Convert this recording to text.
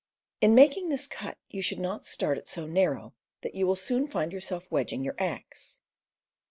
In making this cut you should not start it so narrow that you will soon find yourself wedging your axe.